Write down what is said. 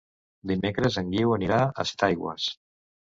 Dimecres en Guiu anirà a Setaigües.